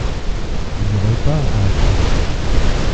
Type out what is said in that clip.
Vous n’aurez pas à atteler.